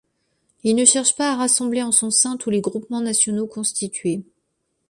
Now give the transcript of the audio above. Il ne cherche pas à rassembler en son sein tous les groupements nationaux constitués.